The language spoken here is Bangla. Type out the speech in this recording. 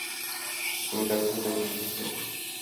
তুমি ল্যাবে ফিরে যেতে চাইছ, তাই না?